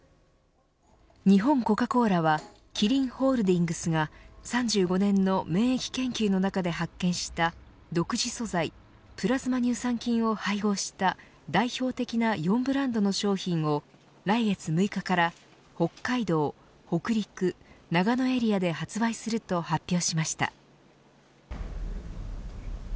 日本コカ・コーラはキリンホールディングスが３５年の免疫研究の中で発見した独自素材プラズマ乳酸菌を配合した代表的な４ブランドの商品を来月６日から北海道、北陸、長野エリアで発売すると発表しました。